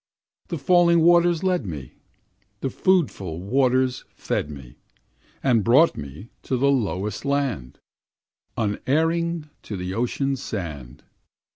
The falling waters led me, The foodful waters fed me, And brought me to the lowest land, Unerring to the ocean sand.